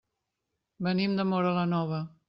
Venim de Móra la Nova.